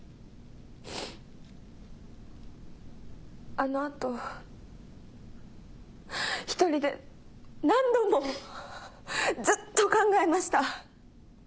あのあと一人で何度もずっと考えました。